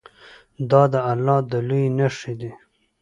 دا د الله د لویۍ نښې دي.